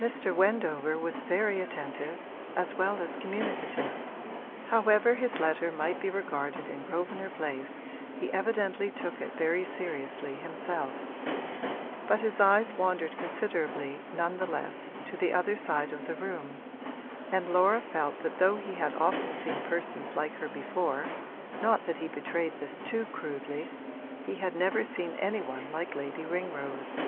Mr. Wendover was very attentive, as well as communicative; however his letter might be regarded in Grosvenor Place he evidently took it very seriously himself; but his eyes wandered considerably, none the less, to the other side of the room, and Laura felt that though he had often seen persons like her before (not that he betrayed this too crudely) he had never seen any one like Lady Ringrose.